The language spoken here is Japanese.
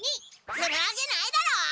するわけないだろ！